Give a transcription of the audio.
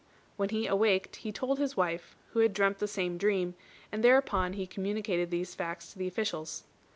When he awaked, he told his wife, who had dreamt the same dream; and thereupon he communicated these facts to the officials.